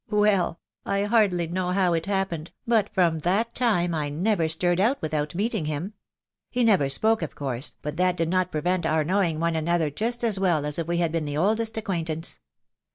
Well, I hardly know how it hap pened, but from that time I never stirred out without meet ing him ; he never spoke, of course, but that did not prevent I our knowing one another just as well as if we had been the oldest acquaintance.